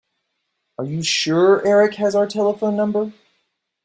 Are you sure Erik has our telephone number?